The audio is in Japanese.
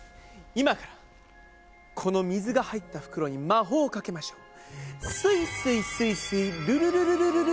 今からこの水が入った袋に魔法をかけましょう。